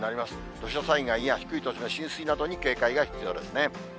土砂災害や低い土地の浸水などに警戒が必要ですね。